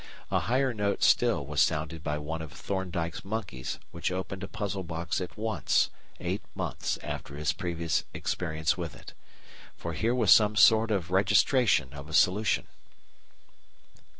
A higher note still was sounded by one of Thorndike's monkeys which opened a puzzle box at once, eight months after his previous experience with it. For here was some sort of registration of a solution.